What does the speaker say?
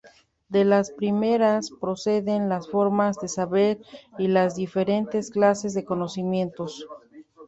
De las primeras proceden las formas de saber y las diferentes clases de conocimientos.